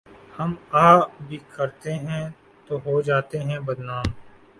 ہم آہ بھی کرتے ہیں تو ہو جاتے ہیں بدنام